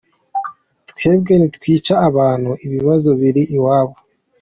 “Twebwe ntitwica abantu, ibibazo biri iwabo.